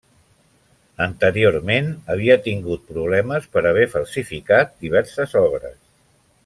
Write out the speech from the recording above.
Anteriorment havia tingut problemes per haver falsificat diverses obres.